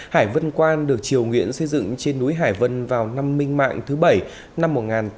hải vân quan được triều nguyện xây dựng trên núi hải vân vào năm minh mạng thứ bảy năm một nghìn tám trăm hai mươi sáu